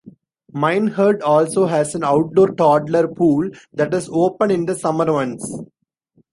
Minehead also has an outdoor toddler pool that is open in the summer months.